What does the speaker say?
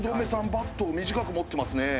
バットを短く持ってますね